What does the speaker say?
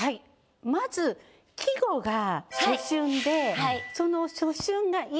まず季語が「初春」でその「初春」がはい。